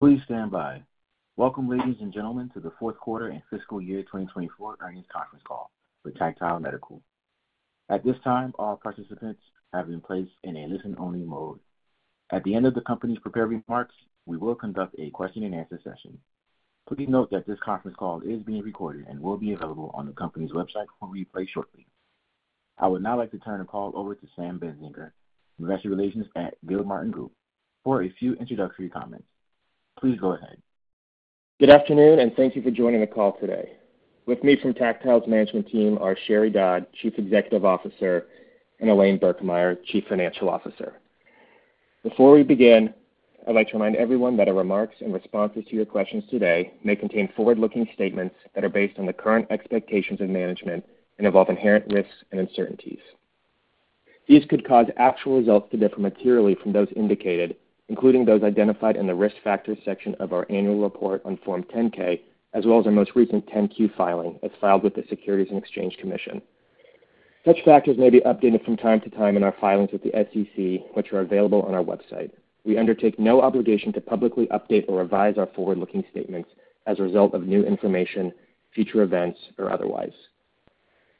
Please stand by. Welcome, ladies and gentlemen, to the fourth quarter and fiscal year 2024 earnings conference call for Tactile Medical. At this time, all participants have been placed in a listen-only mode. At the end of the company's prepared remarks, we will conduct a question-and-answer session. Please note that this conference call is being recorded and will be available on the company's website for replay shortly. I would now like to turn the call over to Sam Bentzinger, investor relations at Gilmartin Group, for a few introductory comments. Please go ahead. Good afternoon, and thank you for joining the call today. With me from Tactile's management team are Sheri Dodd, Chief Executive Officer, and Elaine Birkemeyer, Chief Financial Officer. Before we begin, I'd like to remind everyone that our remarks and responses to your questions today may contain forward-looking statements that are based on the current expectations of management and involve inherent risks and uncertainties. These could cause actual results to differ materially from those indicated, including those identified in the risk factors section of our annual report on Form 10-K, as well as our most recent 10-Q filing as filed with the Securities and Exchange Commission. Such factors may be updated from time to time in our filings with the SEC, which are available on our website. We undertake no obligation to publicly update or revise our forward-looking statements as a result of new information, future events, or otherwise.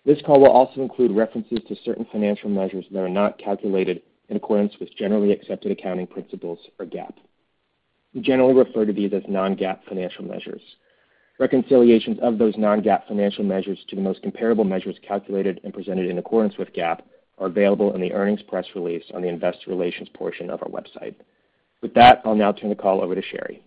This call will also include references to certain financial measures that are not calculated in accordance with generally accepted accounting principles or GAAP. We generally refer to these as non-GAAP financial measures. Reconciliations of those non-GAAP financial measures to the most comparable measures calculated and presented in accordance with GAAP are available in the earnings press release on the investor relations portion of our website. With that, I'll now turn the call over to Sheri.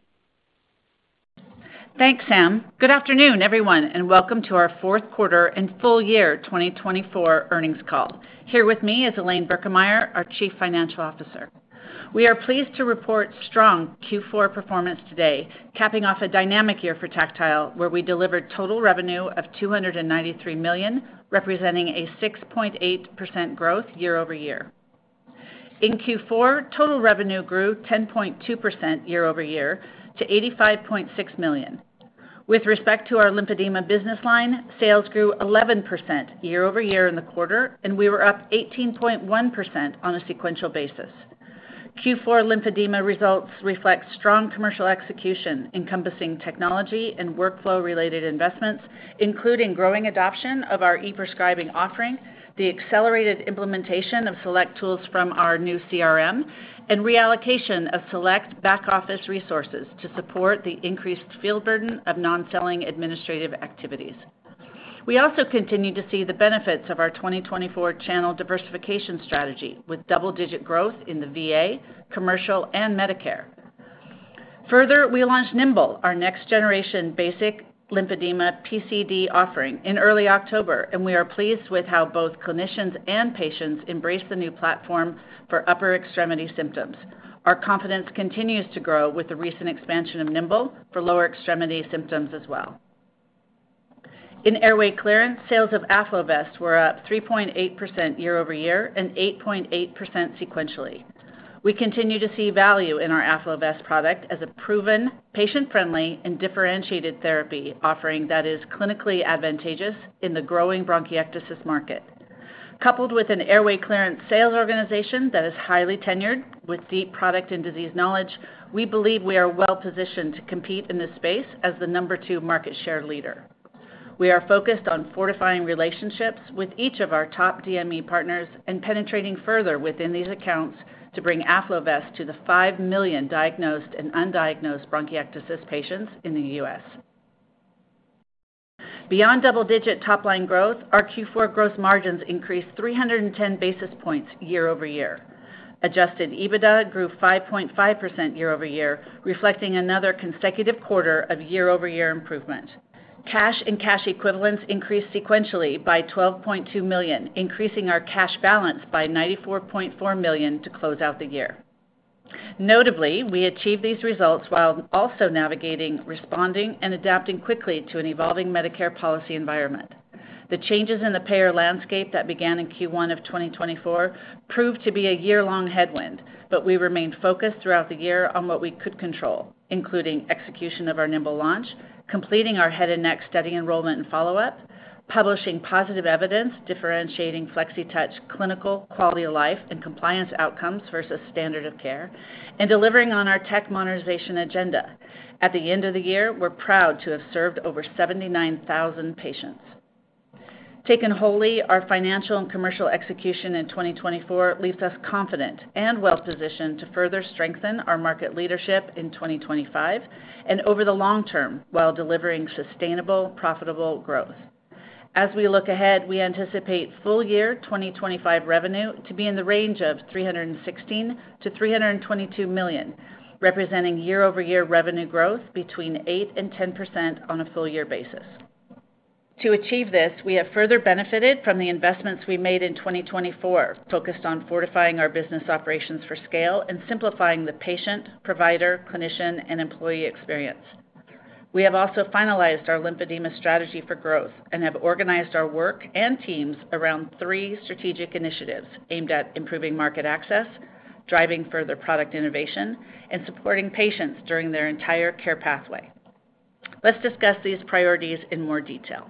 Thanks, Sam. Good afternoon, everyone, and welcome to our fourth quarter and full year 2024 earnings call. Here with me is Elaine Birkemeyer, our Chief Financial Officer. We are pleased to report strong Q4 performance today, capping off a dynamic year for Tactile, where we delivered total revenue of $293 million, representing a 6.8% growth year over year. In Q4, total revenue grew 10.2% year over year to $85.6 million. With respect to our lymphedema business line, sales grew 11% year over year in the quarter, and we were up 18.1% on a sequential basis. Q4 lymphedema results reflect strong commercial execution encompassing technology and workflow-related investments, including growing adoption of our e-prescribing offering, the accelerated implementation of select tools from our new CRM, and reallocation of select back-office resources to support the increased field burden of non-selling administrative activities. We also continue to see the benefits of our 2024 channel diversification strategy with double-digit growth in the VA, commercial, and Medicare. Further, we launched Nimble, our next-generation basic lymphedema PCD offering in early October, and we are pleased with how both clinicians and patients embraced the new platform for upper extremity symptoms. Our confidence continues to grow with the recent expansion of Nimble for lower extremity symptoms as well. In airway clearance, sales of Afflovest were up 3.8% year over year and 8.8% sequentially. We continue to see value in our Afflovest product as a proven, patient-friendly, and differentiated therapy offering that is clinically advantageous in the growing bronchiectasis market. Coupled with an airway clearance sales organization that is highly tenured with deep product and disease knowledge, we believe we are well-positioned to compete in this space as the number two market share leader. We are focused on fortifying relationships with each of our top DME partners and penetrating further within these accounts to bring Afflovest to the 5 million diagnosed and undiagnosed bronchiectasis patients in the U.S. Beyond double-digit top-line growth, our Q4 gross margins increased 310 basis points year over year. Adjusted EBITDA grew 5.5% year over year, reflecting another consecutive quarter of year-over-year improvement. Cash and cash equivalents increased sequentially by $12.2 million, increasing our cash balance by $94.4 million to close out the year. Notably, we achieved these results while also navigating, responding, and adapting quickly to an evolving Medicare policy environment. The changes in the payer landscape that began in Q1 of 2024 proved to be a year-long headwind, but we remained focused throughout the year on what we could control, including execution of our Nimble launch, completing our head-and-neck study enrollment and follow-up, publishing positive evidence differentiating flexitouch clinical quality of life and compliance outcomes versus standard of care, and delivering on our tech modernization agenda. At the end of the year, we're proud to have served over 79,000 patients. Taken wholly, our financial and commercial execution in 2024 leaves us confident and well-positioned to further strengthen our market leadership in 2025 and over the long term while delivering sustainable, profitable growth. As we look ahead, we anticipate full year 2025 revenue to be in the range of $316-$322 million, representing year-over-year revenue growth between 8% and 10% on a full year basis. To achieve this, we have further benefited from the investments we made in 2024, focused on fortifying our business operations for scale and simplifying the patient, provider, clinician, and employee experience. We have also finalized our lymphedema strategy for growth and have organized our work and teams around three strategic initiatives aimed at improving market access, driving further product innovation, and supporting patients during their entire care pathway. Let's discuss these priorities in more detail.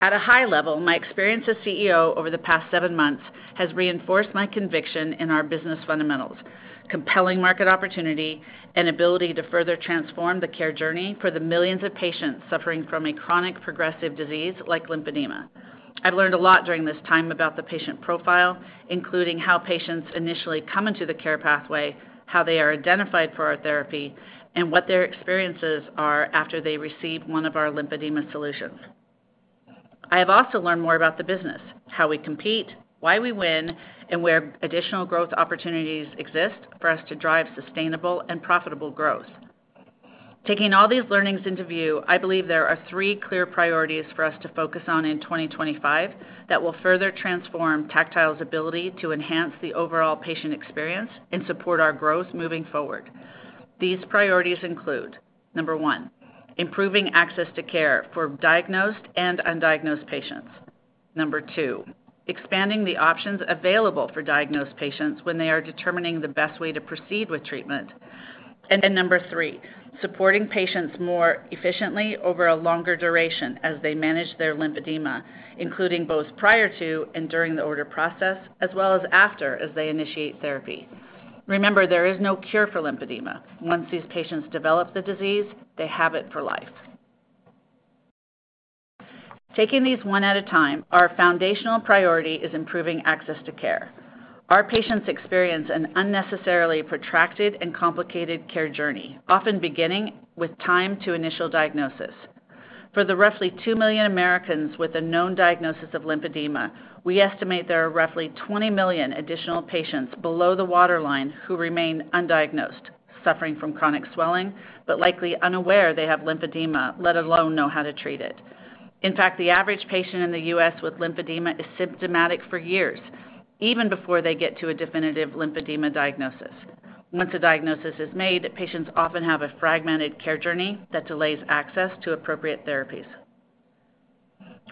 At a high level, my experience as CEO over the past seven months has reinforced my conviction in our business fundamentals, compelling market opportunity, and ability to further transform the care journey for the millions of patients suffering from a chronic progressive disease like lymphedema. I've learned a lot during this time about the patient profile, including how patients initially come into the care pathway, how they are identified for our therapy, and what their experiences are after they receive one of our lymphedema solutions. I have also learned more about the business, how we compete, why we win, and where additional growth opportunities exist for us to drive sustainable and profitable growth. Taking all these learnings into view, I believe there are three clear priorities for us to focus on in 2025 that will further transform Tactile's ability to enhance the overall patient experience and support our growth moving forward. These priorities include: Number one, improving access to care for diagnosed and undiagnosed patients. Number two, expanding the options available for diagnosed patients when they are determining the best way to proceed with treatment. Number three, supporting patients more efficiently over a longer duration as they manage their lymphedema, including both prior to and during the order process, as well as after as they initiate therapy. Remember, there is no cure for lymphedema. Once these patients develop the disease, they have it for life. Taking these one at a time, our foundational priority is improving access to care. Our patients experience an unnecessarily protracted and complicated care journey, often beginning with time to initial diagnosis. For the roughly 2 million Americans with a known diagnosis of lymphedema, we estimate there are roughly 20 million additional patients below the waterline who remain undiagnosed, suffering from chronic swelling, but likely unaware they have lymphedema, let alone know how to treat it. In fact, the average patient in the U.S. with lymphedema is symptomatic for years, even before they get to a definitive lymphedema diagnosis. Once a diagnosis is made, patients often have a fragmented care journey that delays access to appropriate therapies.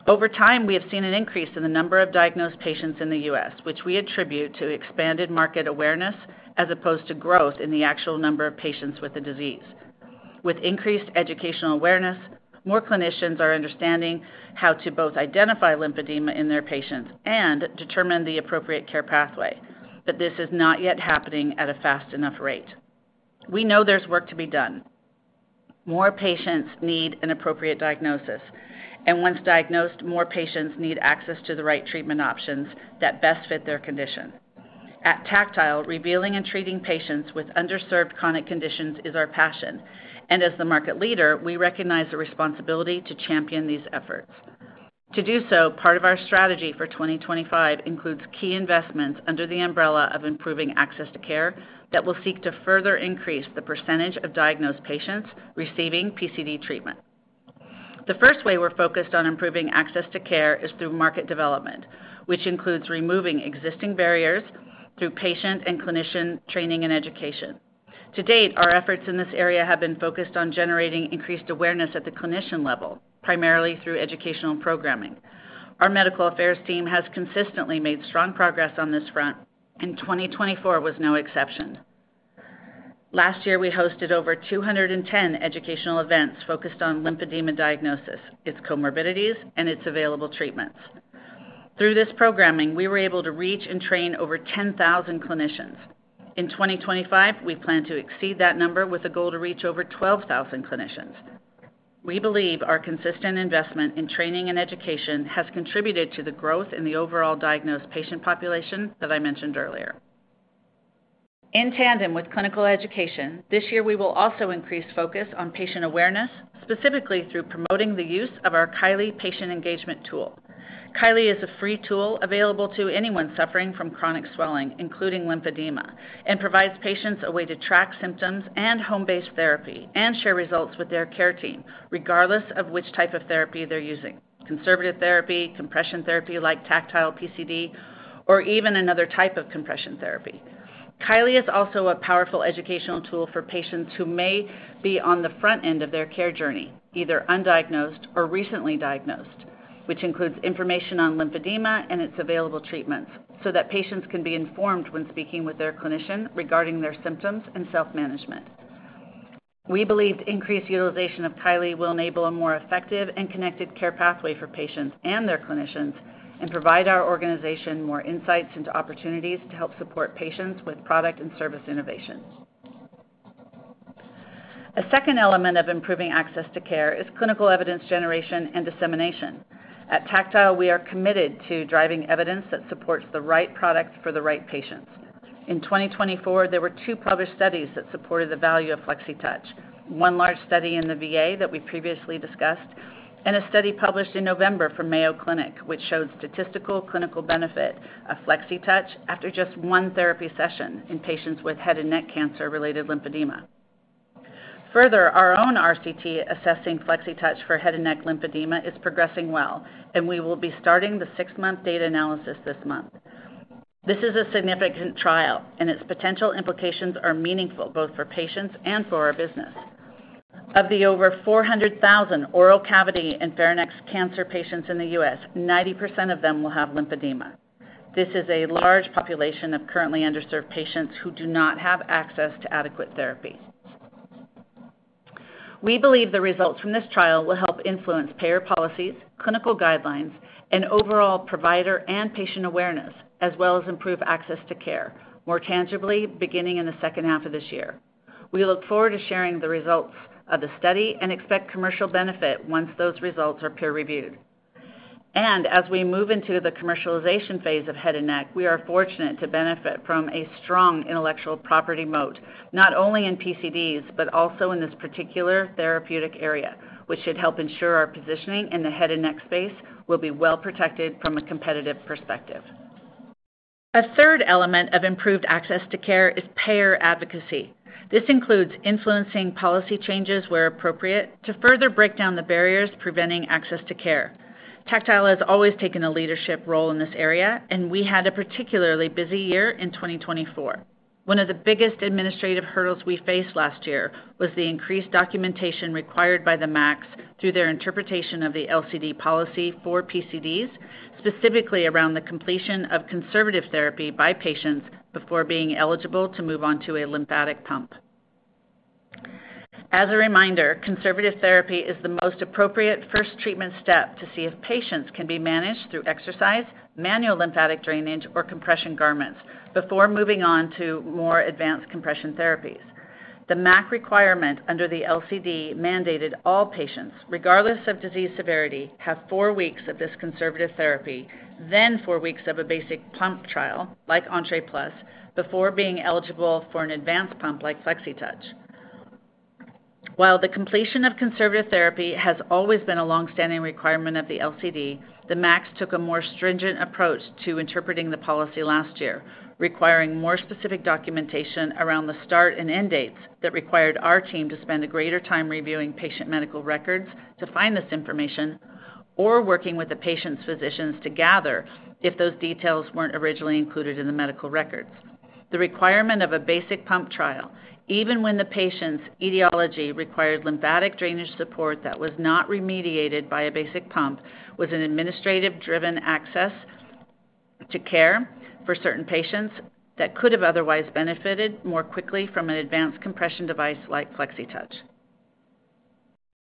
Over time, we have seen an increase in the number of diagnosed patients in the U.S., which we attribute to expanded market awareness as opposed to growth in the actual number of patients with the disease. With increased educational awareness, more clinicians are understanding how to both identify lymphedema in their patients and determine the appropriate care pathway. This is not yet happening at a fast enough rate. We know there's work to be done. More patients need an appropriate diagnosis. Once diagnosed, more patients need access to the right treatment options that best fit their condition. At Tactile, revealing and treating patients with underserved chronic conditions is our passion. As the market leader, we recognize the responsibility to champion these efforts. To do so, part of our strategy for 2025 includes key investments under the umbrella of improving access to care that will seek to further increase the percentage of diagnosed patients receiving PCD treatment. The first way we're focused on improving access to care is through market development, which includes removing existing barriers through patient and clinician training and education. To date, our efforts in this area have been focused on generating increased awareness at the clinician level, primarily through educational programming. Our medical affairs team has consistently made strong progress on this front, and 2024 was no exception. Last year, we hosted over 210 educational events focused on lymphedema diagnosis, its comorbidities, and its available treatments. Through this programming, we were able to reach and train over 10,000 clinicians. In 2025, we plan to exceed that number with a goal to reach over 12,000 clinicians. We believe our consistent investment in training and education has contributed to the growth in the overall diagnosed patient population that I mentioned earlier. In tandem with clinical education, this year, we will also increase focus on patient awareness, specifically through promoting the use of our Kiley patient engagement tool. Kiley is a free tool available to anyone suffering from chronic swelling, including lymphedema, and provides patients a way to track symptoms and home-based therapy and share results with their care team, regardless of which type of therapy they're using: conservative therapy, compression therapy like Tactile PCD, or even another type of compression therapy. Kiley is also a powerful educational tool for patients who may be on the front end of their care journey, either undiagnosed or recently diagnosed, which includes information on lymphedema and its available treatments so that patients can be informed when speaking with their clinician regarding their symptoms and self-management. We believe increased utilization of Kiley will enable a more effective and connected care pathway for patients and their clinicians and provide our organization more insights into opportunities to help support patients with product and service innovation. A second element of improving access to care is clinical evidence generation and dissemination. At Tactile, we are committed to driving evidence that supports the right products for the right patients. In 2024, there were two published studies that supported the value of flexitouch: one large study in the VA that we previously discussed, and a study published in November from Mayo Clinic, which showed statistical clinical benefit of flexitouch after just one therapy session in patients with head-and-neck cancer-related lymphedema. Further, our own RCT assessing flexitouch for head-and-neck lymphedema is progressing well, and we will be starting the six-month data analysis this month. This is a significant trial, and its potential implications are meaningful both for patients and for our business. Of the over 400,000 oral cavity and pharynx cancer patients in the U.S., 90% of them will have lymphedema. This is a large population of currently underserved patients who do not have access to adequate therapy. We believe the results from this trial will help influence payer policies, clinical guidelines, and overall provider and patient awareness, as well as improve access to care more tangibly beginning in the second half of this year. We look forward to sharing the results of the study and expect commercial benefit once those results are peer-reviewed. As we move into the commercialization phase of head-and-neck, we are fortunate to benefit from a strong intellectual property moat, not only in PCDs, but also in this particular therapeutic area, which should help ensure our positioning in the head-and-neck space will be well protected from a competitive perspective. A third element of improved access to care is payer advocacy. This includes influencing policy changes where appropriate to further break down the barriers preventing access to care. Tactile has always taken a leadership role in this area, and we had a particularly busy year in 2024. One of the biggest administrative hurdles we faced last year was the increased documentation required by the MACs through their interpretation of the LCD policy for PCDs, specifically around the completion of conservative therapy by patients before being eligible to move on to a lymphatic pump. As a reminder, conservative therapy is the most appropriate first treatment step to see if patients can be managed through exercise, manual lymphatic drainage, or compression garments before moving on to more advanced compression therapies. The MAC requirement under the LCD mandated all patients, regardless of disease severity, have four weeks of this conservative therapy, then four weeks of a basic pump trial like Entrée Plus before being eligible for an advanced pump like flexitouch. While the completion of conservative therapy has always been a long-standing requirement of the LCD, the MACs took a more stringent approach to interpreting the policy last year, requiring more specific documentation around the start and end dates that required our team to spend a greater time reviewing patient medical records to find this information or working with the patient's physicians to gather if those details weren't originally included in the medical records. The requirement of a basic pump trial, even when the patient's etiology required lymphatic drainage support that was not remediated by a basic pump, was an administrative-driven access to care for certain patients that could have otherwise benefited more quickly from an advanced compression device like flexitouch.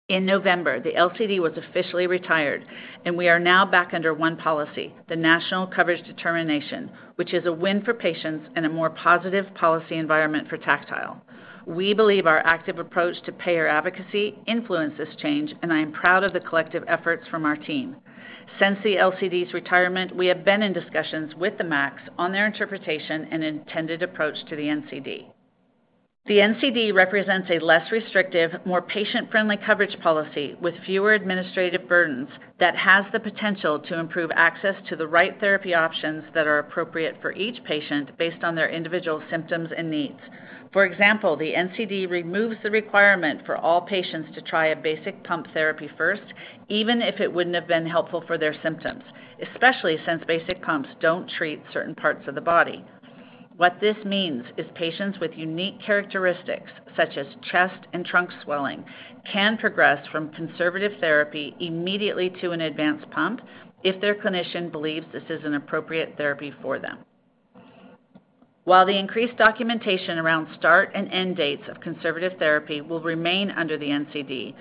In November, the LCD was officially retired, and we are now back under one policy, the National Coverage Determination, which is a win for patients and a more positive policy environment for Tactile. We believe our active approach to payer advocacy influences change, and I am proud of the collective efforts from our team. Since the LCD's retirement, we have been in discussions with the MACs on their interpretation and intended approach to the NCD. The NCD represents a less restrictive, more patient-friendly coverage policy with fewer administrative burdens that has the potential to improve access to the right therapy options that are appropriate for each patient based on their individual symptoms and needs. For example, the NCD removes the requirement for all patients to try a basic pump therapy first, even if it wouldn't have been helpful for their symptoms, especially since basic pumps don't treat certain parts of the body. What this means is patients with unique characteristics, such as chest and trunk swelling, can progress from conservative therapy immediately to an advanced pump if their clinician believes this is an appropriate therapy for them. While the increased documentation around start and end dates of conservative therapy will remain under the NCD,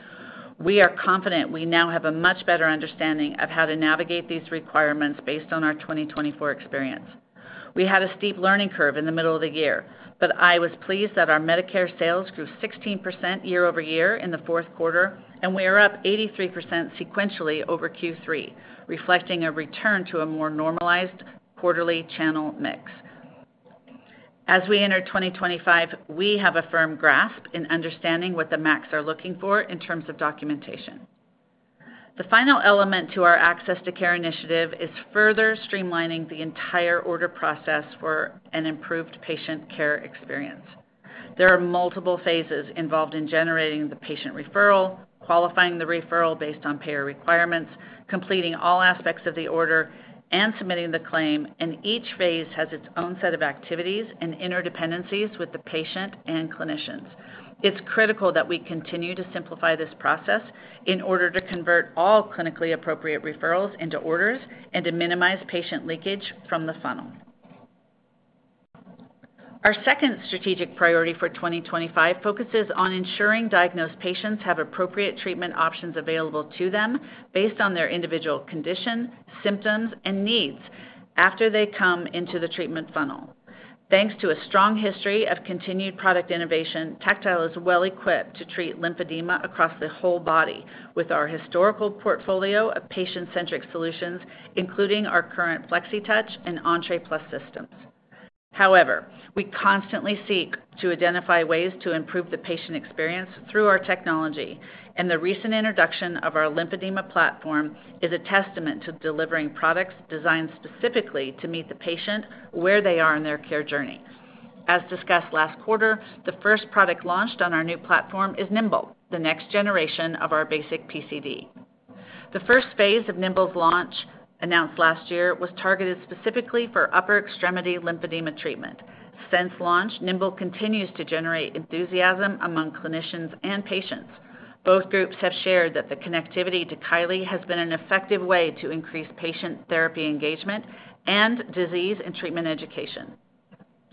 we are confident we now have a much better understanding of how to navigate these requirements based on our 2024 experience. We had a steep learning curve in the middle of the year, but I was pleased that our Medicare sales grew 16% year over year in the fourth quarter, and we are up 83% sequentially over Q3, reflecting a return to a more normalized quarterly channel mix. As we enter 2025, we have a firm grasp in understanding what the MACs are looking for in terms of documentation. The final element to our access to care initiative is further streamlining the entire order process for an improved patient care experience. There are multiple phases involved in generating the patient referral, qualifying the referral based on payer requirements, completing all aspects of the order, and submitting the claim, and each phase has its own set of activities and interdependencies with the patient and clinicians. It's critical that we continue to simplify this process in order to convert all clinically appropriate referrals into orders and to minimize patient leakage from the funnel. Our second strategic priority for 2025 focuses on ensuring diagnosed patients have appropriate treatment options available to them based on their individual condition, symptoms, and needs after they come into the treatment funnel. Thanks to a strong history of continued product innovation, Tactile is well equipped to treat lymphedema across the whole body with our historical portfolio of patient-centric solutions, including our current flexitouch and Entrée Plus systems. However, we constantly seek to identify ways to improve the patient experience through our technology, and the recent introduction of our lymphedema platform is a testament to delivering products designed specifically to meet the patient where they are in their care journey. As discussed last quarter, the first product launched on our new platform is Nimble, the next generation of our basic PCD. The first phase of Nimble's launch, announced last year, was targeted specifically for upper extremity lymphedema treatment. Since launch, Nimble continues to generate enthusiasm among clinicians and patients. Both groups have shared that the connectivity to Kiley has been an effective way to increase patient therapy engagement and disease and treatment education.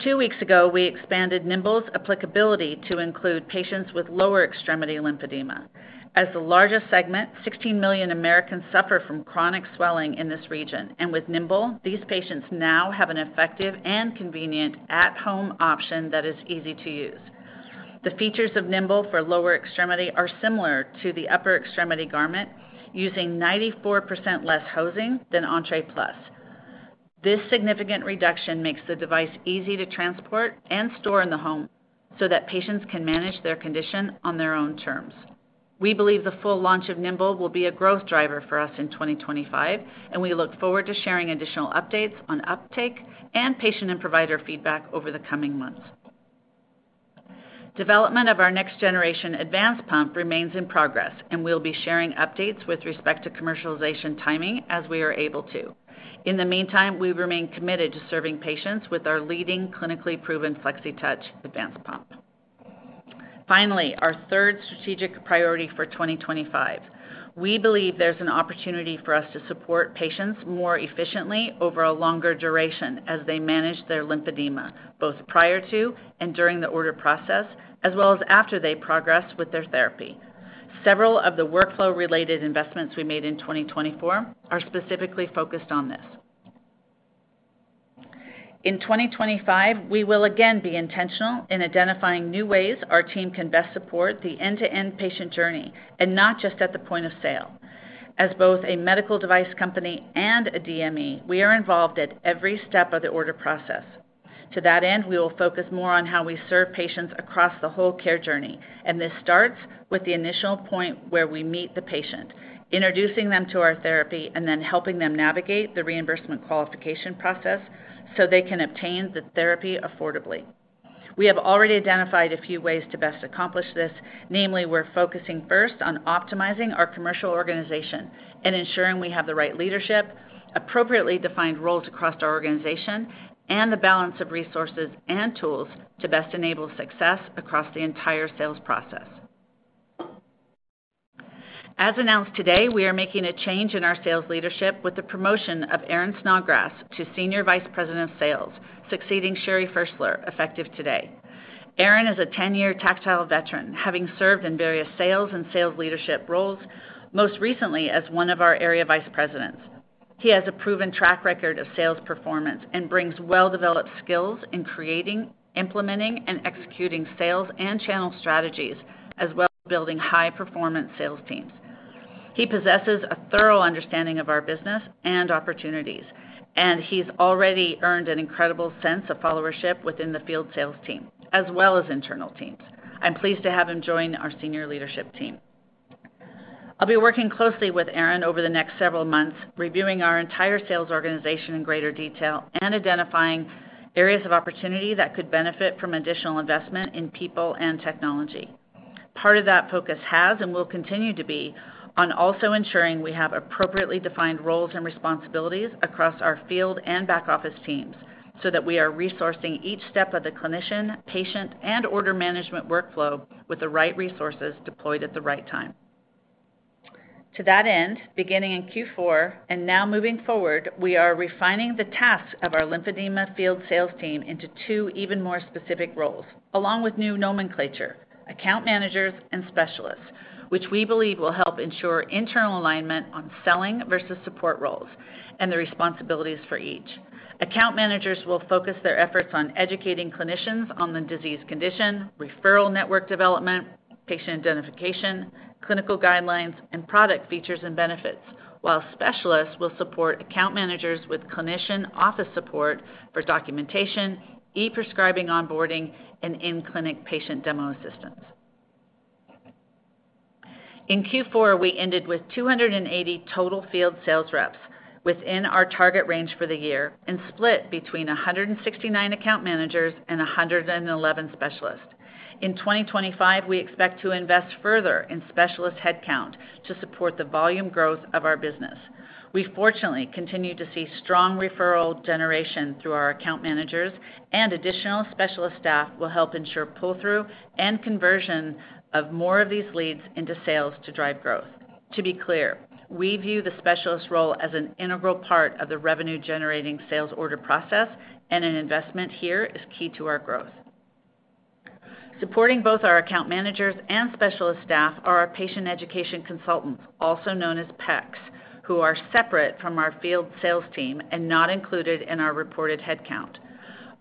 Two weeks ago, we expanded Nimble's applicability to include patients with lower extremity lymphedema. As the largest segment, 16 million Americans suffer from chronic swelling in this region, and with Nimble, these patients now have an effective and convenient at-home option that is easy to use. The features of Nimble for lower extremity are similar to the upper extremity garment, using 94% less hosing than Entrée Plus. This significant reduction makes the device easy to transport and store in the home so that patients can manage their condition on their own terms. We believe the full launch of Nimble will be a growth driver for us in 2025, and we look forward to sharing additional updates on uptake and patient and provider feedback over the coming months. Development of our next-generation advanced pump remains in progress, and we'll be sharing updates with respect to commercialization timing as we are able to. In the meantime, we remain committed to serving patients with our leading clinically proven flexitouch advanced pump. Finally, our third strategic priority for 2025. We believe there's an opportunity for us to support patients more efficiently over a longer duration as they manage their lymphedema, both prior to and during the order process, as well as after they progress with their therapy. Several of the workflow-related investments we made in 2024 are specifically focused on this. In 2025, we will again be intentional in identifying new ways our team can best support the end-to-end patient journey and not just at the point of sale. As both a medical device company and a DME, we are involved at every step of the order process. To that end, we will focus more on how we serve patients across the whole care journey, and this starts with the initial point where we meet the patient, introducing them to our therapy, and then helping them navigate the reimbursement qualification process so they can obtain the therapy affordably. We have already identified a few ways to best accomplish this, namely, we're focusing first on optimizing our commercial organization and ensuring we have the right leadership, appropriately defined roles across our organization, and the balance of resources and tools to best enable success across the entire sales process. As announced today, we are making a change in our sales leadership with the promotion of Aaron Snodgrass to Senior Vice President of Sales, succeeding Sheri Ferschler, effective today. Aaron is a 10-year Tactile veteran, having served in various sales and sales leadership roles, most recently as one of our area vice presidents. He has a proven track record of sales performance and brings well-developed skills in creating, implementing, and executing sales and channel strategies, as well as building high-performance sales teams. He possesses a thorough understanding of our business and opportunities, and he's already earned an incredible sense of followership within the field sales team, as well as internal teams. I'm pleased to have him join our senior leadership team. I'll be working closely with Ann over the next several months, reviewing our entire sales organization in greater detail and identifying areas of opportunity that could benefit from additional investment in people and technology. Part of that focus has and will continue to be on also ensuring we have appropriately defined roles and responsibilities across our field and back office teams so that we are resourcing each step of the clinician, patient, and order management workflow with the right resources deployed at the right time. To that end, beginning in Q4 and now moving forward, we are refining the tasks of our lymphedema field sales team into two even more specific roles, along with new nomenclature, account managers and specialists, which we believe will help ensure internal alignment on selling versus support roles and the responsibilities for each. Account managers will focus their efforts on educating clinicians on the disease condition, referral network development, patient identification, clinical guidelines, and product features and benefits, while specialists will support account managers with clinician office support for documentation, e-prescribing onboarding, and in-clinic patient demo assistance. In Q4, we ended with 280 total field sales reps within our target range for the year and split between 169 account managers and 111 specialists. In 2025, we expect to invest further in specialist headcount to support the volume growth of our business. We fortunately continue to see strong referral generation through our account managers, and additional specialist staff will help ensure pull-through and conversion of more of these leads into sales to drive growth. To be clear, we view the specialist role as an integral part of the revenue-generating sales order process, and an investment here is key to our growth. Supporting both our account managers and specialist staff are our patient education consultants, also known as PECs, who are separate from our field sales team and not included in our reported headcount.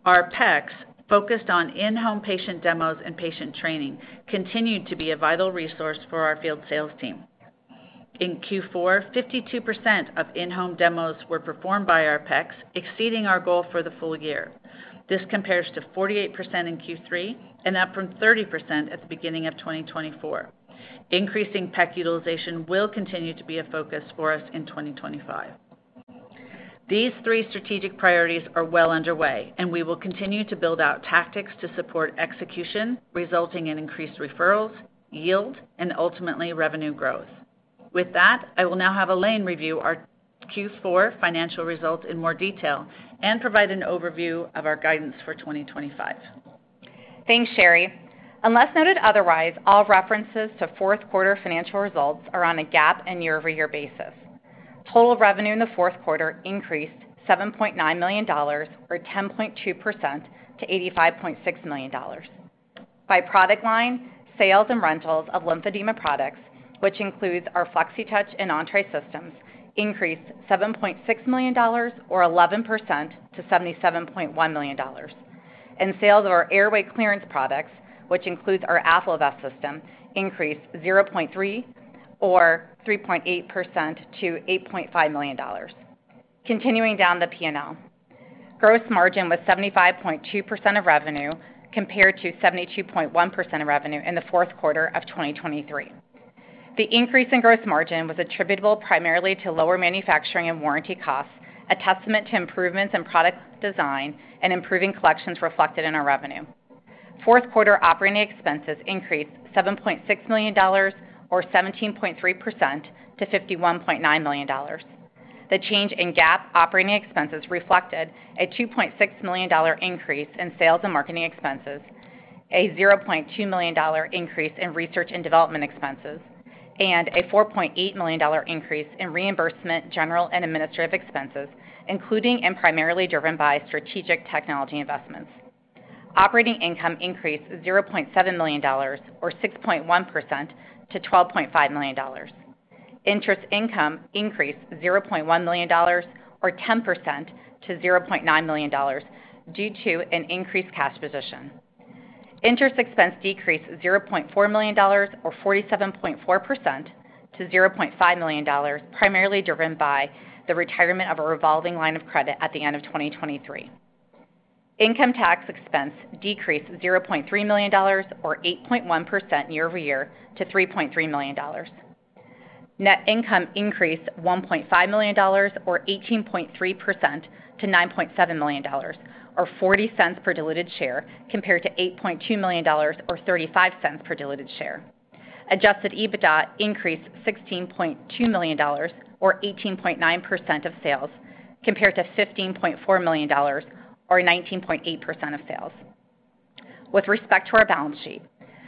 Our PECs, focused on in-home patient demos and patient training, continue to be a vital resource for our field sales team. In Q4, 52% of in-home demos were performed by our PECs, exceeding our goal for the full year. This compares to 48% in Q3 and up from 30% at the beginning of 2024. Increasing PEC utilization will continue to be a focus for us in 2025. These three strategic priorities are well underway, and we will continue to build out tactics to support execution, resulting in increased referrals, yield, and ultimately revenue growth. With that, I will now have Elaine review our Q4 financial results in more detail and provide an overview of our guidance for 2025. Thanks, Sheri. Unless noted otherwise, all references to fourth quarter financial results are on a GAAP and year-over-year basis. Total revenue in the fourth quarter increased $7.9 million, or 10.2%, to $85.6 million. By product line, sales and rentals of lymphedema products, which includes our flexitouch and Entrée systems, increased $7.6 million, or 11%, to $77.1 million. Sales of our airway clearance products, which includes our AffloVest system, increased $0.3 million, or 3.8%, to $8.5 million. Continuing down the P&L, gross margin was 75.2% of revenue compared to 72.1% of revenue in the fourth quarter of 2023. The increase in gross margin was attributable primarily to lower manufacturing and warranty costs, a testament to improvements in product design and improving collections reflected in our revenue. Fourth quarter operating expenses increased $7.6 million, or 17.3%, to $51.9 million. The change in GAAP operating expenses reflected a $2.6 million increase in sales and marketing expenses, a $0.2 million increase in research and development expenses, and a $4.8 million increase in reimbursement general and administrative expenses, including and primarily driven by strategic technology investments. Operating income increased $0.7 million, or 6.1%, to $12.5 million. Interest income increased $0.1 million, or 10%, to $0.9 million due to an increased cash position. Interest expense decreased $0.4 million, or 47.4%, to $0.5 million, primarily driven by the retirement of a revolving line of credit at the end of 2023. Income tax expense decreased $0.3 million, or 8.1%, year over year, to $3.3 million. Net income increased $1.5 million, or 18.3%, to $9.7 million, or 40 cents per diluted share, compared to $8.2 million, or 35 cents per diluted share. Adjusted EBITDA increased $16.2 million, or 18.9% of sales, compared to $15.4 million, or 19.8% of sales. With respect to our balance sheet,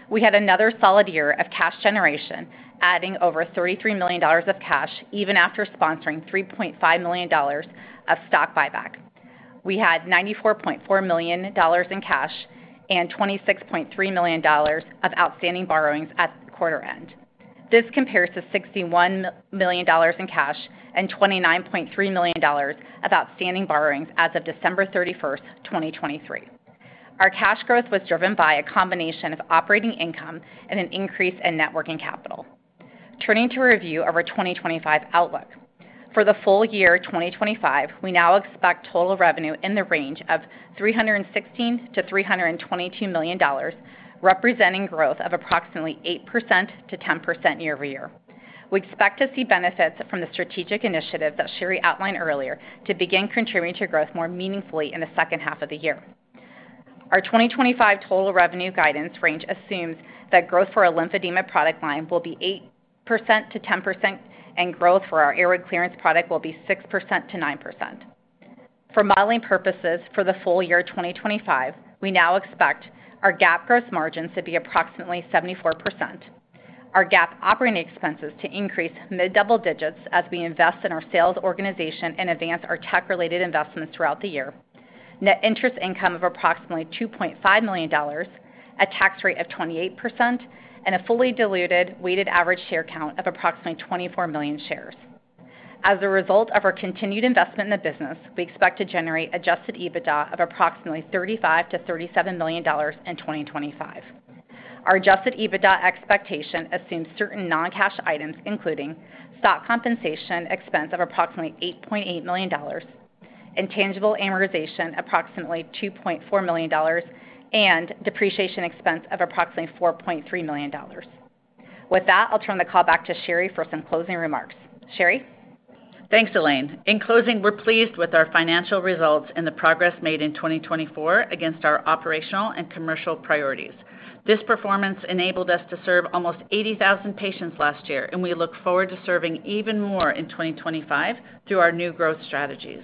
we had another solid year of cash generation, adding over $33 million of cash even after sponsoring $3.5 million of stock buyback. We had $94.4 million in cash and $26.3 million of outstanding borrowings at the quarter end. This compares to $61 million in cash and $29.3 million of outstanding borrowings as of December 31, 2023. Our cash growth was driven by a combination of operating income and an increase in net working capital. Turning to review our 2025 outlook, for the full year 2025, we now expect total revenue in the range of $316-$322 million, representing growth of approximately 8%-10% year over year. We expect to see benefits from the strategic initiative that Sheri outlined earlier to begin contributing to growth more meaningfully in the second half of the year. Our 2025 total revenue guidance range assumes that growth for our lymphedema product line will be 8%-10%, and growth for our airway clearance product will be 6%-9%. For modeling purposes for the full year 2025, we now expect our GAAP gross margins to be approximately 74%, our GAAP operating expenses to increase mid-double digits as we invest in our sales organization and advance our tech-related investments throughout the year, net interest income of approximately $2.5 million, a tax rate of 28%, and a fully diluted weighted average share count of approximately 24 million shares. As a result of our continued investment in the business, we expect to generate adjusted EBITDA of approximately $35-$37 million in 2025. Our adjusted EBITDA expectation assumes certain non-cash items, including stock compensation expense of approximately $8.8 million, intangible amortization approximately $2.4 million, and depreciation expense of approximately $4.3 million. With that, I'll turn the call back to Sheri for some closing remarks. Sheri? Thanks, Elaine. In closing, we're pleased with our financial results and the progress made in 2024 against our operational and commercial priorities. This performance enabled us to serve almost 80,000 patients last year, and we look forward to serving even more in 2025 through our new growth strategies.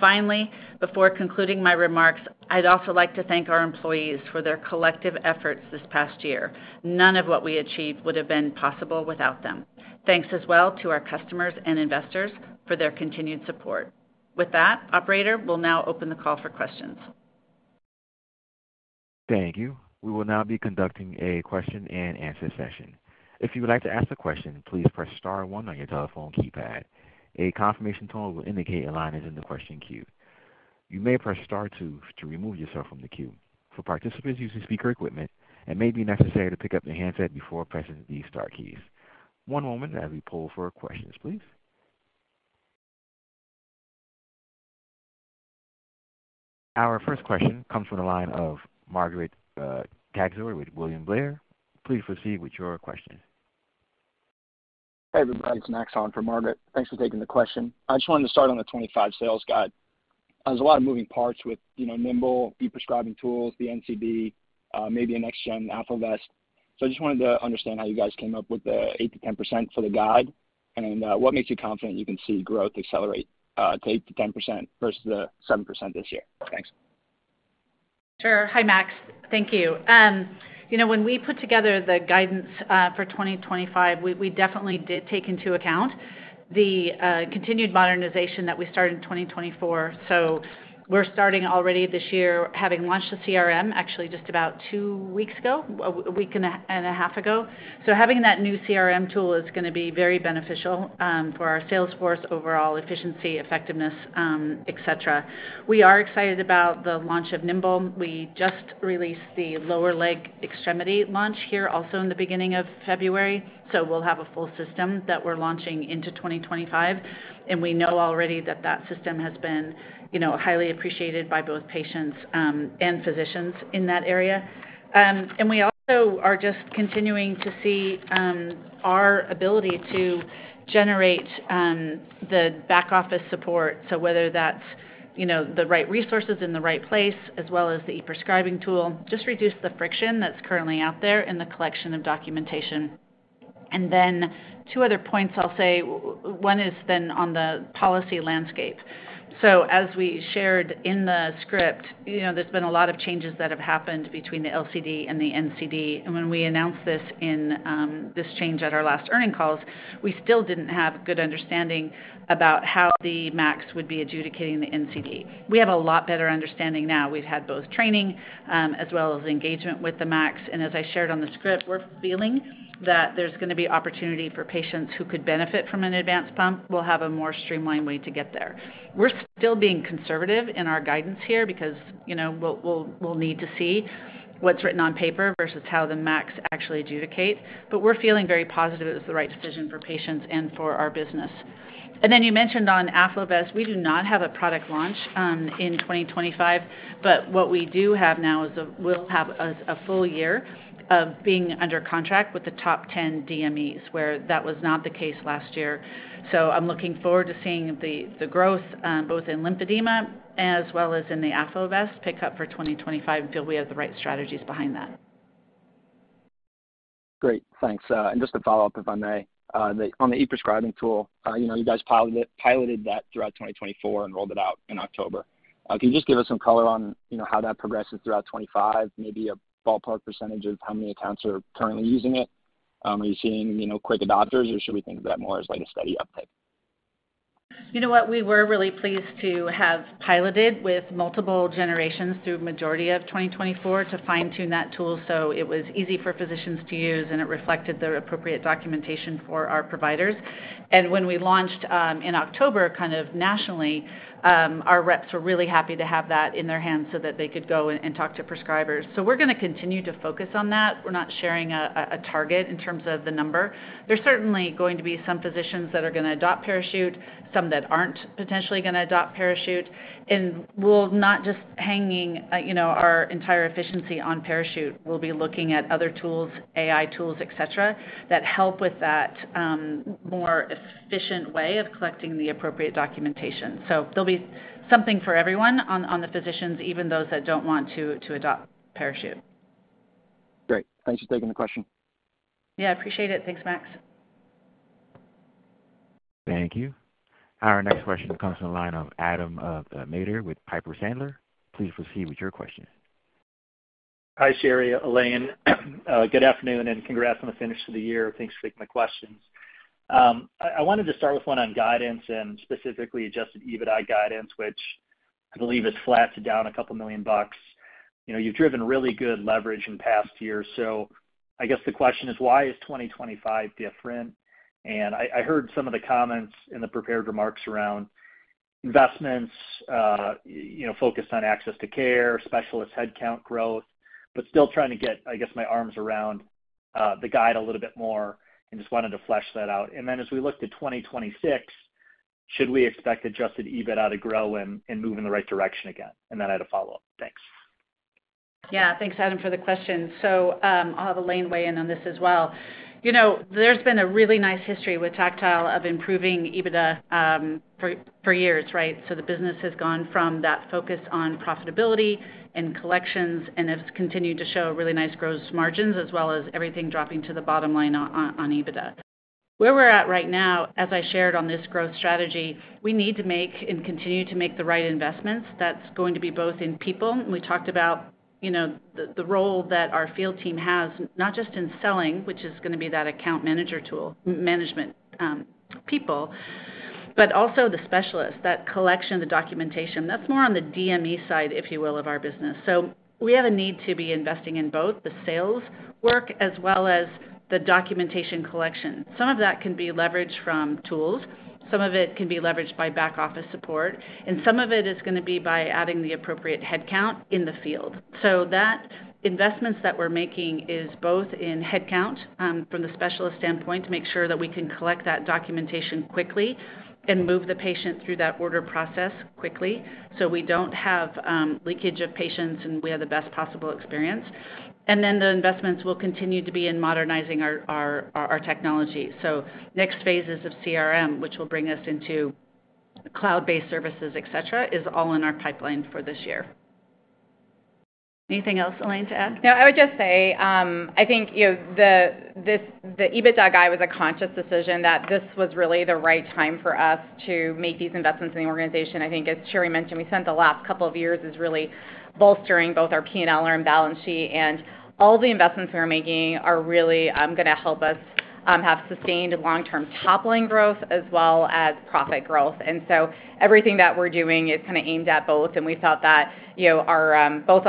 Finally, before concluding my remarks, I'd also like to thank our employees for their collective efforts this past year. None of what we achieved would have been possible without them. Thanks as well to our customers and investors for their continued support. With that, Operator, we'll now open the call for questions. Thank you. We will now be conducting a question and answer session. If you would like to ask a question, please press Star one on your telephone keypad. A confirmation tone will indicate a line is in the question queue. You may press Star two to remove yourself from the queue. For participants using speaker equipment, it may be necessary to pick up the handset before pressing the Star keys. One moment as we pull for questions, please. Our first question comes from the line of Margaret Kaczor with William Blair. Please proceed with your question. Hey, everybody. It's Max on from Margaret. Thanks for taking the question. I just wanted to start on the 2025 sales guide. There's a lot of moving parts with Nimble, e-prescribing tools, the NCD, maybe a next-gen Afflovest. I just wanted to understand how you guys came up with the 8-10% for the guide and what makes you confident you can see growth accelerate to 8-10% versus the 7% this year. Thanks. Sure. Hi, Max. Thank you. When we put together the guidance for 2025, we definitely did take into account the continued modernization that we started in 2024. We're starting already this year, having launched the CRM actually just about two weeks ago, a week and a half ago. Having that new CRM tool is going to be very beneficial for our sales force overall efficiency, effectiveness, etc. We are excited about the launch of Nimble. We just released the lower leg extremity launch here also in the beginning of February. We'll have a full system that we're launching into 2025. We know already that that system has been highly appreciated by both patients and physicians in that area. We also are just continuing to see our ability to generate the back office support. Whether that's the right resources in the right place, as well as the e-prescribing tool, just reduce the friction that's currently out there in the collection of documentation. Then two other points I'll say. One is then on the policy landscape. As we shared in the script, there's been a lot of changes that have happened between the LCD and the NCD. When we announced this change at our last earnings calls, we still didn't have a good understanding about how the MACs would be adjudicating the NCD. We have a lot better understanding now. We've had both training as well as engagement with the MACs. As I shared on the script, we're feeling that there's going to be opportunity for patients who could benefit from an advanced pump. We'll have a more streamlined way to get there. We're still being conservative in our guidance here because we'll need to see what's written on paper versus how the MACs actually adjudicate. We're feeling very positive it was the right decision for patients and for our business. You mentioned on Afflovest, we do not have a product launch in 2025, but what we do have now is we'll have a full year of being under contract with the top 10 DMEs, where that was not the case last year. I am looking forward to seeing the growth both in lymphedema as well as in the Afflovest pickup for 2025 and feel we have the right strategies behind that. Great. Thanks. Just to follow up, if I may, on the e-prescribing tool, you guys piloted that throughout 2024 and rolled it out in October. Can you just give us some color on how that progresses throughout 2025, maybe a ballpark percentage of how many accounts are currently using it? Are you seeing quick adopters, or should we think of that more as a steady uptick? You know what? We were really pleased to have piloted with multiple generations through the majority of 2024 to fine-tune that tool so it was easy for physicians to use and it reflected the appropriate documentation for our providers. When we launched in October, kind of nationally, our reps were really happy to have that in their hands so that they could go and talk to prescribers. We are going to continue to focus on that. We are not sharing a target in terms of the number. There is certainly going to be some physicians that are going to adopt Parachute, some that are not potentially going to adopt Parachute. We will not just be hanging our entire efficiency on Parachute. We will be looking at other tools, AI tools, etc., that help with that more efficient way of collecting the appropriate documentation. There'll be something for everyone on the physicians, even those that don't want to adopt Parachute. Great. Thanks for taking the question. Yeah, appreciate it. Thanks, Max. Thank you. Our next question comes from the line of Adam Maeder with Piper Sandler. Please proceed with your question. Hi, Sheri. Elaine, good afternoon and congrats on the finish of the year. Thanks for taking my questions. I wanted to start with one on guidance and specifically adjusted EBITDA guidance, which I believe has flattened down a couple million bucks. You've driven really good leverage in past years. I guess the question is, why is 2025 different? I heard some of the comments in the prepared remarks around investments focused on access to care, specialist headcount growth, but still trying to get, I guess, my arms around the guide a little bit more and just wanted to flesh that out. As we look to 2026, should we expect adjusted EBITDA to grow and move in the right direction again? I had a follow-up. Thanks. Yeah. Thanks, Adam, for the question. I'll have Elaine weigh in on this as well. There's been a really nice history with Tactile of improving EBITDA for years, right? The business has gone from that focus on profitability and collections and has continued to show really nice gross margins as well as everything dropping to the bottom line on EBITDA. Where we're at right now, as I shared on this growth strategy, we need to make and continue to make the right investments. That's going to be both in people. We talked about the role that our field team has, not just in selling, which is going to be that account manager tool management people, but also the specialists, that collection, the documentation. That's more on the DME side, if you will, of our business. We have a need to be investing in both the sales work as well as the documentation collection. Some of that can be leveraged from tools. Some of it can be leveraged by back office support. Some of it is going to be by adding the appropriate headcount in the field. That investment that we're making is both in headcount from the specialist standpoint to make sure that we can collect that documentation quickly and move the patient through that order process quickly so we don't have leakage of patients and we have the best possible experience. The investments will continue to be in modernizing our technology. Next phases of CRM, which will bring us into cloud-based services, etc., is all in our pipeline for this year. Anything else, Elaine, to add? No, I would just say I think the EBITDA guide was a conscious decision that this was really the right time for us to make these investments in the organization. I think, as Sheri mentioned, we spent the last couple of years really bolstering both our P&L and balance sheet. All the investments we're making are really going to help us have sustained long-term top-line growth as well as profit growth. Everything that we're doing is kind of aimed at both. We felt that both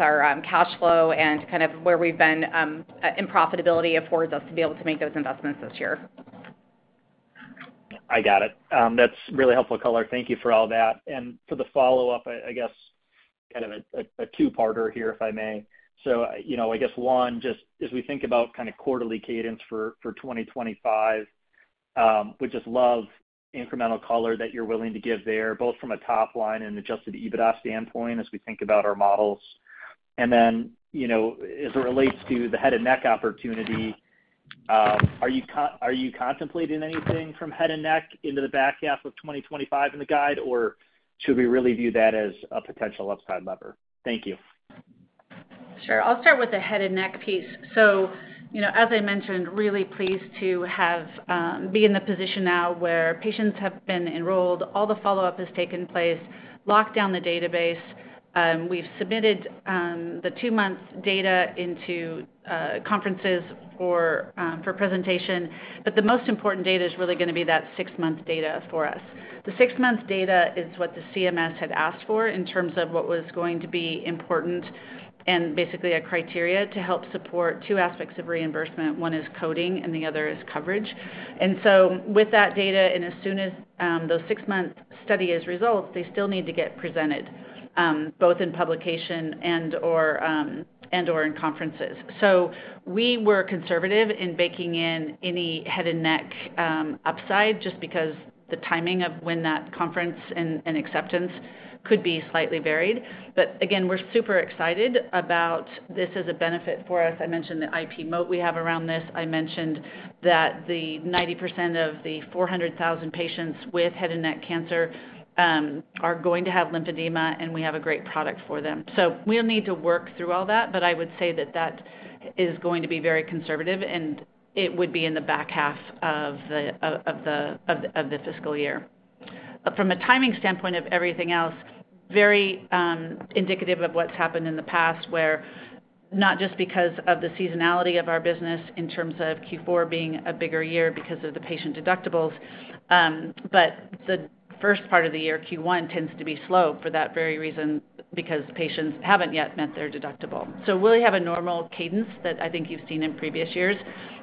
our cash flow and kind of where we've been in profitability affords us to be able to make those investments this year. I got it. That's really helpful color. Thank you for all that. For the follow-up, I guess kind of a two-parter here, if I may. I guess one, just as we think about kind of quarterly cadence for 2025, we just love incremental color that you're willing to give there, both from a top-line and adjusted EBITDA standpoint as we think about our models. As it relates to the head and neck opportunity, are you contemplating anything from head and neck into the back half of 2025 in the guide, or should we really view that as a potential upside lever? Thank you. Sure. I'll start with the head and neck piece. As I mentioned, really pleased to be in the position now where patients have been enrolled, all the follow-up has taken place, locked down the database. We've submitted the two-month data into conferences for presentation. The most important data is really going to be that six-month data for us. The six-month data is what the CMS had asked for in terms of what was going to be important and basically a criteria to help support two aspects of reimbursement. One is coding and the other is coverage. With that data, and as soon as those six-month study results, they still need to get presented both in publication and/or in conferences. We were conservative in baking in any head and neck upside just because the timing of when that conference and acceptance could be slightly varied. Again, we're super excited about this as a benefit for us. I mentioned the IP moat we have around this. I mentioned that 90% of the 400,000 patients with head and neck cancer are going to have lymphedema, and we have a great product for them. We will need to work through all that, but I would say that that is going to be very conservative, and it would be in the back half of the fiscal year. From a timing standpoint of everything else, very indicative of what's happened in the past, where not just because of the seasonality of our business in terms of Q4 being a bigger year because of the patient deductibles, but the first part of the year, Q1, tends to be slow for that very reason because patients haven't yet met their deductible. We will have a normal cadence that I think you've seen in previous years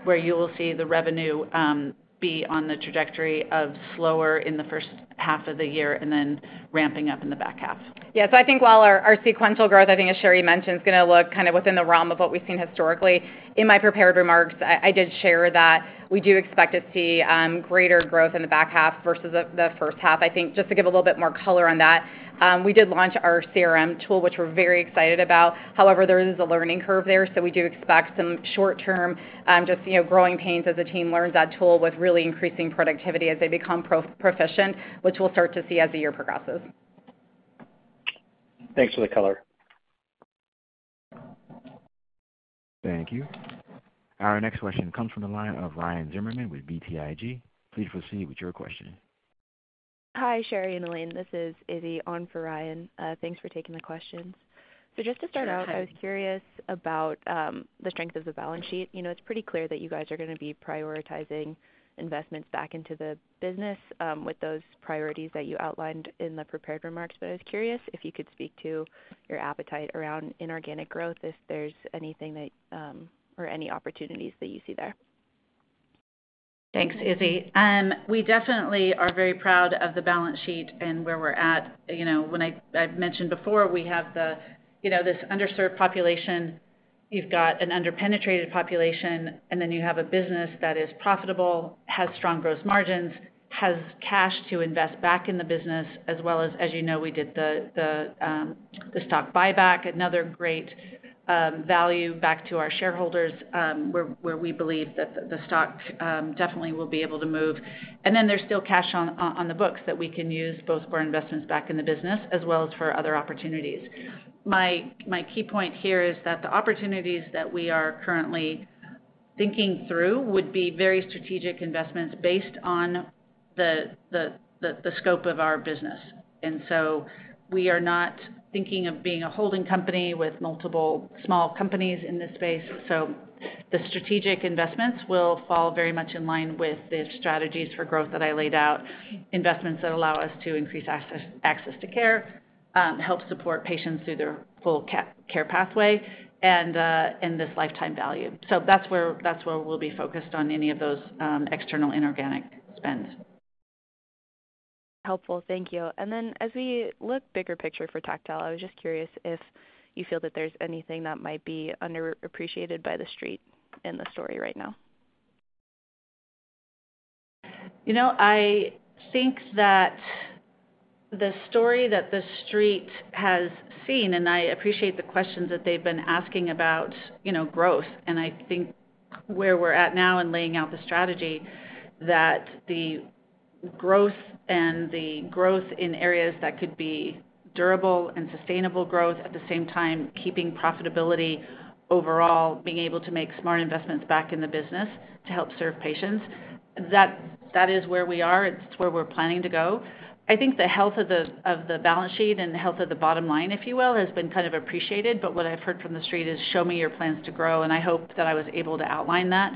where you will see the revenue be on the trajectory of slower in the first half of the year and then ramping up in the back half. Yes. I think while our sequential growth, I think, as Sheri mentioned, is going to look kind of within the realm of what we've seen historically. In my prepared remarks, I did share that we do expect to see greater growth in the back half versus the first half. I think just to give a little bit more color on that, we did launch our CRM tool, which we're very excited about. However, there is a learning curve there. We do expect some short-term just growing pains as a team learns that tool with really increasing productivity as they become proficient, which we'll start to see as the year progresses. Thanks for the color. Thank you. Our next question comes from the line of Ryan Zimmerman with BTIG. Please proceed with your question. Hi, Sheri and Elaine. This is Izzy on for Ryan. Thanks for taking the questions. Just to start out, I was curious about the strength of the balance sheet. It's pretty clear that you guys are going to be prioritizing investments back into the business with those priorities that you outlined in the prepared remarks. I was curious if you could speak to your appetite around inorganic growth, if there's anything or any opportunities that you see there. Thanks, Izzy. We definitely are very proud of the balance sheet and where we're at. When I mentioned before, we have this underserved population. You've got an under-penetrated population, and then you have a business that is profitable, has strong gross margins, has cash to invest back in the business, as well as, as you know, we did the stock buyback, another great value back to our shareholders where we believe that the stock definitely will be able to move. There is still cash on the books that we can use both for investments back in the business as well as for other opportunities. My key point here is that the opportunities that we are currently thinking through would be very strategic investments based on the scope of our business. We are not thinking of being a holding company with multiple small companies in this space. The strategic investments will fall very much in line with the strategies for growth that I laid out, investments that allow us to increase access to care, help support patients through their full care pathway, and this lifetime value. That is where we will be focused on any of those external inorganic spends. Helpful. Thank you. As we look bigger picture for Tactile, I was just curious if you feel that there's anything that might be underappreciated by the street in the story right now. I think that the story that the street has seen, and I appreciate the questions that they've been asking about growth. I think where we're at now and laying out the strategy, that the growth and the growth in areas that could be durable and sustainable growth at the same time, keeping profitability overall, being able to make smart investments back in the business to help serve patients, that is where we are. It's where we're planning to go. I think the health of the balance sheet and the health of the bottom line, if you will, has been kind of appreciated. What I've heard from the street is, "Show me your plans to grow." I hope that I was able to outline that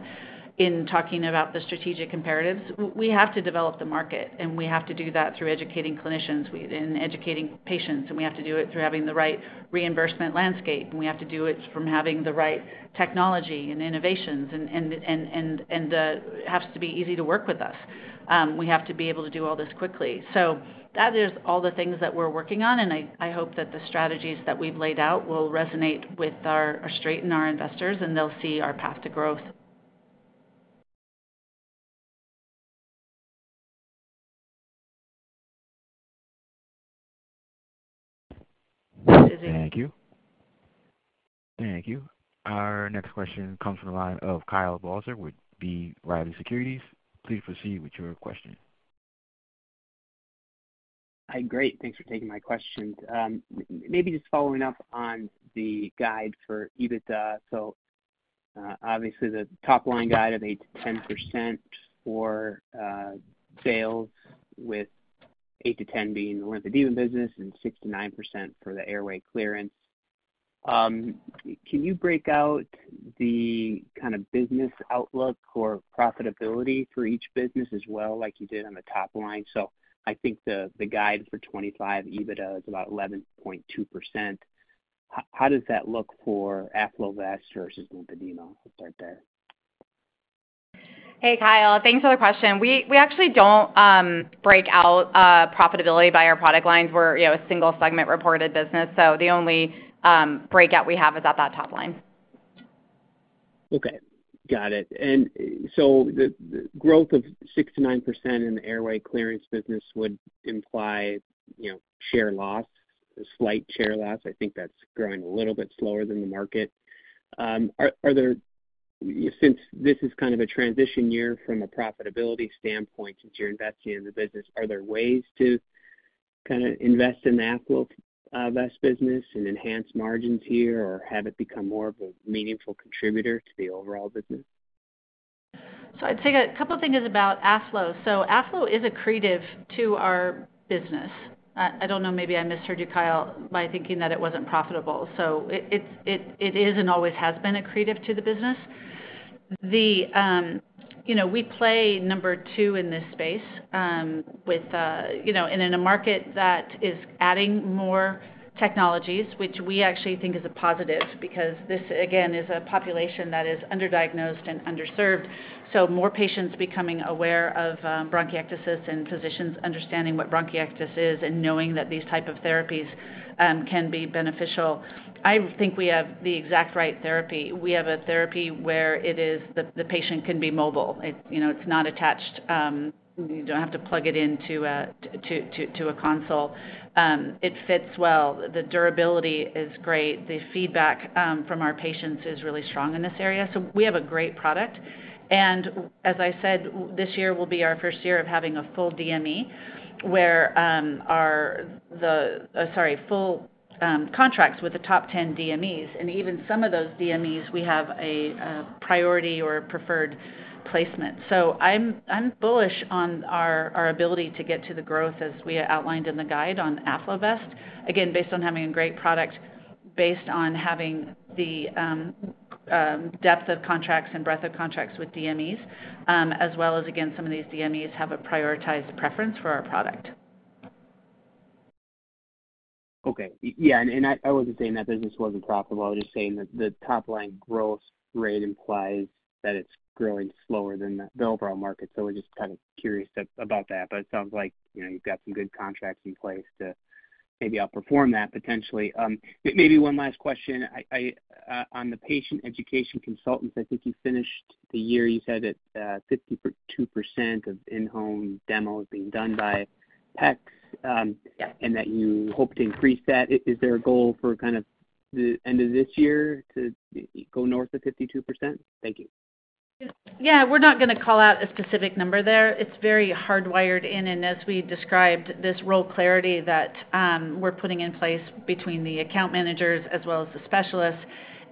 in talking about the strategic imperatives. We have to develop the market, and we have to do that through educating clinicians and educating patients. We have to do it through having the right reimbursement landscape. We have to do it from having the right technology and innovations. It has to be easy to work with us. We have to be able to do all this quickly. That is all the things that we're working on. I hope that the strategies that we've laid out will resonate with our street and our investors, and they'll see our path to growth. Thank you. Thank you. Our next question comes from the line of Kyle Bauser with B. Riley Securities. Please proceed with your question. Hi, great. Thanks for taking my question. Maybe just following up on the guide for EBITDA. Obviously, the top-line guide of 8-10% for sales with 8-10% being the worth of deeming business and 6-9% for the airway clearance. Can you break out the kind of business outlook or profitability for each business as well like you did on the top line? I think the guide for 2025 EBITDA is about 11.2%. How does that look for Afflovest versus lymphedema? I'll start there. Hey, Kyle. Thanks for the question. We actually don't break out profitability by our product lines. We're a single-segment reported business. The only breakout we have is at that top line. Okay. Got it. The growth of 6-9% in the airway clearance business would imply share loss, slight share loss. I think that's growing a little bit slower than the market. Since this is kind of a transition year from a profitability standpoint since you're investing in the business, are there ways to kind of invest in the Afflovest business and enhance margins here or have it become more of a meaningful contributor to the overall business? I'd say a couple of things about Aflo. Aflo is accretive to our business. I don't know, maybe I misheard you, Kyle, by thinking that it wasn't profitable. It is and always has been accretive to the business. We play number two in this space in a market that is adding more technologies, which we actually think is a positive because this, again, is a population that is underdiagnosed and underserved. More patients becoming aware of bronchiectasis and physicians understanding what bronchiectasis is and knowing that these types of therapies can be beneficial. I think we have the exact right therapy. We have a therapy where the patient can be mobile. It's not attached. You don't have to plug it into a console. It fits well. The durability is great. The feedback from our patients is really strong in this area. We have a great product. As I said, this year will be our first year of having a full DME where our—sorry—full contracts with the top 10 DMEs. Even some of those DMEs, we have a priority or preferred placement. I'm bullish on our ability to get to the growth as we outlined in the guide on Afflovest, again, based on having a great product, based on having the depth of contracts and breadth of contracts with DMEs, as well as, again, some of these DMEs have a prioritized preference for our product. Yeah. I wasn't saying that business wasn't profitable. I was just saying that the top-line growth rate implies that it's growing slower than the overall market. We're just kind of curious about that. It sounds like you've got some good contracts in place to maybe outperform that potentially. Maybe one last question. On the patient education consultants, I think you finished the year. You said that 52% of in-home demo is being done by PEX and that you hope to increase that. Is there a goal for kind of the end of this year to go north of 52%? Thank you. Yeah. We're not going to call out a specific number there. It's very hardwired in. As we described, this role clarity that we're putting in place between the account managers as well as the specialists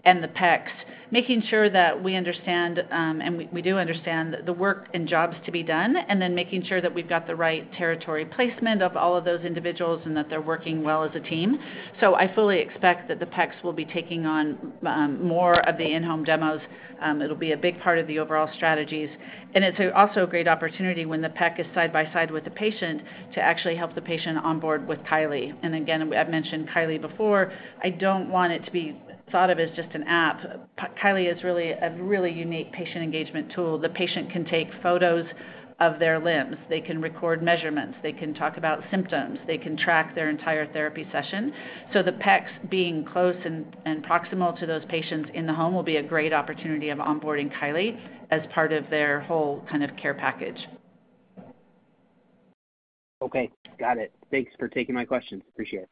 and the PEX, making sure that we understand, and we do understand, the work and jobs to be done, and then making sure that we've got the right territory placement of all of those individuals and that they're working well as a team. I fully expect that the PEX will be taking on more of the in-home demos. It'll be a big part of the overall strategies. It's also a great opportunity when the PEX is side by side with the patient to actually help the patient onboard with Kiley. I've mentioned Kiley before. I don't want it to be thought of as just an app. Kiley is really a really unique patient engagement tool. The patient can take photos of their limbs. They can record measurements. They can talk about symptoms. They can track their entire therapy session. The PEX being close and proximal to those patients in the home will be a great opportunity of onboarding Kiley as part of their whole kind of care package. Okay. Got it. Thanks for taking my questions. Appreciate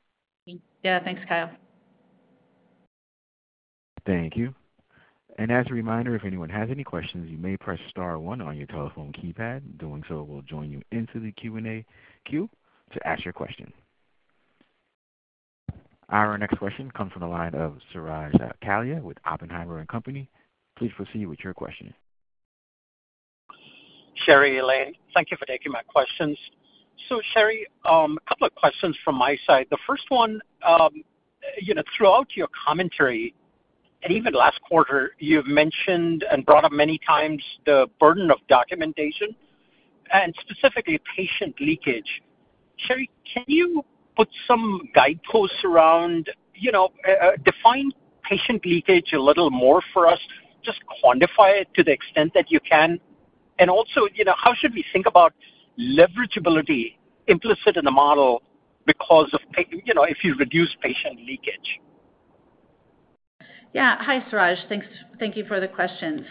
it. Yeah. Thanks, Kyle. Thank you. As a reminder, if anyone has any questions, you may press star one on your telephone keypad. Doing so will join you into the Q&A queue to ask your question. Our next question comes from the line of Suraj Kalia with Oppenheimer & Company. Please proceed with your question. Sheri Elaine, thank you for taking my questions. Sheri, a couple of questions from my side. The first one, throughout your commentary and even last quarter, you've mentioned and brought up many times the burden of documentation and specifically patient leakage. Sheri, can you put some guideposts around define patient leakage a little more for us? Just quantify it to the extent that you can. Also, how should we think about leverageability implicit in the model because of if you reduce patient leakage? Yeah. Hi, Suraj. Thank you for the question.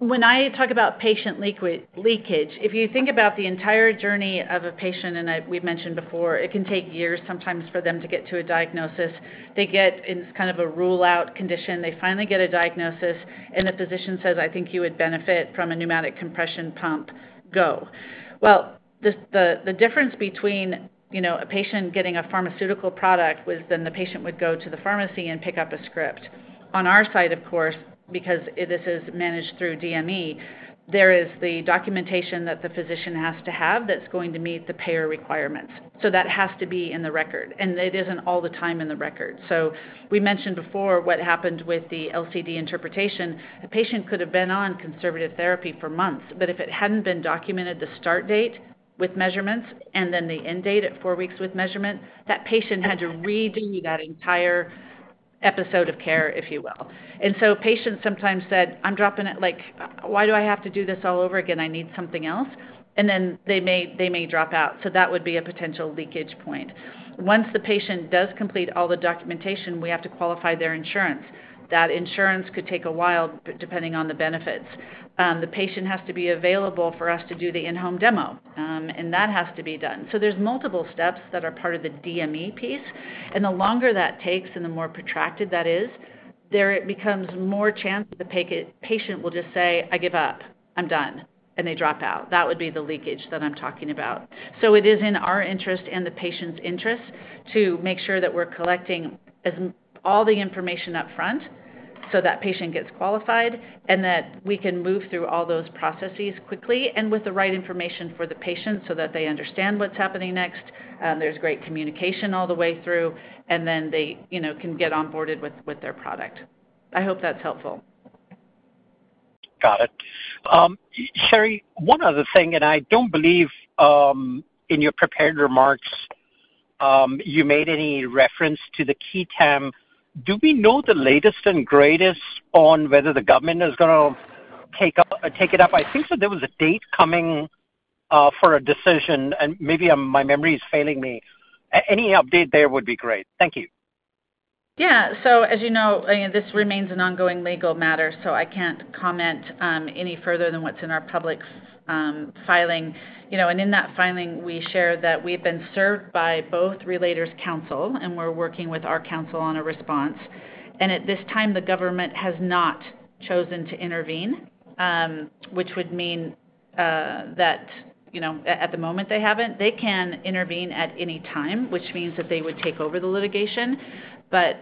When I talk about patient leakage, if you think about the entire journey of a patient, and we've mentioned before, it can take years sometimes for them to get to a diagnosis. They get in kind of a rule-out condition. They finally get a diagnosis, and the physician says, "I think you would benefit from a pneumatic compression pump, go." The difference between a patient getting a pharmaceutical product was then the patient would go to the pharmacy and pick up a script. On our side, of course, because this is managed through DME, there is the documentation that the physician has to have that's going to meet the payer requirements. That has to be in the record. It isn't all the time in the record. We mentioned before what happened with the LCD interpretation. The patient could have been on conservative therapy for months. If it hadn't been documented the start date with measurements and then the end date at four weeks with measurement, that patient had to redo that entire episode of care, if you will. Patients sometimes said, "I'm dropping it. Why do I have to do this all over again? I need something else." They may drop out. That would be a potential leakage point. Once the patient does complete all the documentation, we have to qualify their insurance. That insurance could take a while depending on the benefits. The patient has to be available for us to do the in-home demo. That has to be done. There are multiple steps that are part of the DME piece. The longer that takes and the more protracted that is, there becomes more chance the patient will just say, "I give up. I'm done." They drop out. That would be the leakage that I'm talking about. It is in our interest and the patient's interest to make sure that we're collecting all the information upfront so that patient gets qualified and that we can move through all those processes quickly and with the right information for the patient so that they understand what's happening next. There's great communication all the way through. They can get onboarded with their product. I hope that's helpful. Got it. Sheri, one other thing, and I don't believe in your prepared remarks, you made any reference to the key time. Do we know the latest and greatest on whether the government is going to take it up? I think that there was a date coming for a decision. Maybe my memory is failing me. Any update there would be great. Thank you. Yeah. As you know, this remains an ongoing legal matter. I can't comment any further than what's in our public filing. In that filing, we share that we've been served by both relators' counsel, and we're working with our counsel on a response. At this time, the government has not chosen to intervene, which would mean that at the moment, they haven't. They can intervene at any time, which means that they would take over the litigation.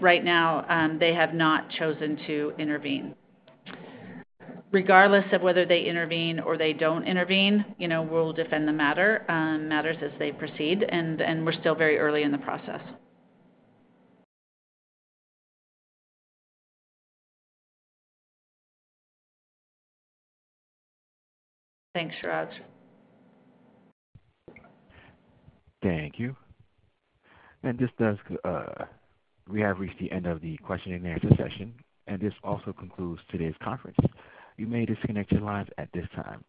Right now, they have not chosen to intervene. Regardless of whether they intervene or they don't intervene, we'll defend the matter as they proceed. We're still very early in the process. Thanks, Suraj. Thank you. Just as we have reached the end of the question and answer session, this also concludes today's conference. You may disconnect your lines at this time.